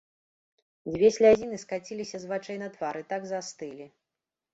Дзве слязіны скаціліся з вачэй на твар і так застылі.